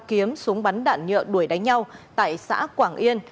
kiếm súng bắn đạn nhựa đuổi đánh nhau tại xã quảng yên